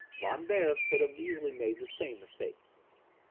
Von Beyer could have easily made the same mistake.